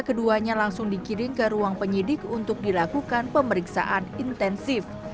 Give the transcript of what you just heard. keduanya langsung dikirim ke ruang penyidik untuk dilakukan pemeriksaan intensif